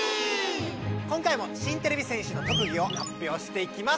今回も新てれび戦士の特技をはっぴょうしていきます。